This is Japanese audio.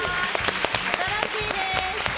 新しいです。